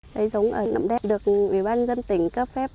cây giống ở nẵm đẹp được ủy ban dân tỉnh cấp phép